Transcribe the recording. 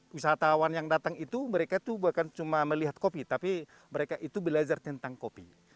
wisatawan yang datang itu mereka tuh bukan cuma melihat kopi tapi mereka itu belajar tentang kopi